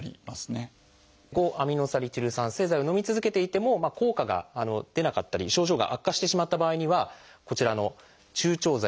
５−アミノサリチル酸製剤をのみ続けていても効果が出なかったり症状が悪化してしまった場合にはこちらの注腸剤。